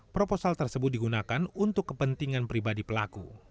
proposal tersebut digunakan untuk kepentingan pribadi pelaku